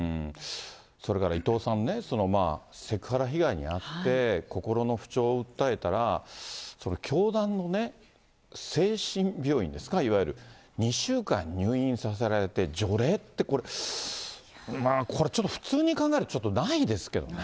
それから伊藤さんね、セクハラ被害に遭って、心の不調を訴えたら、教団のね、精神病院ですか、いわゆる、２週間入院させられて、除霊って、これ、これ、ちょっと普通に考えるとちょっとないですけどね。